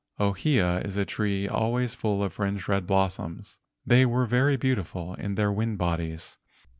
Ohia is a tree always full of fringed red blossoms. They were very beauti¬ ful in their wind bodies.